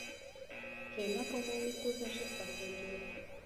کېله په عمومي توګه ژر پخېږي.